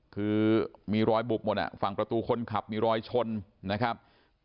คือมีรอยบุบหมดฝั่งประตูคนขับมีรอยชนนะครับ